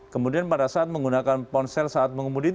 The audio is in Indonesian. kemudian pada saat menggunakan ponsel saat mengemudi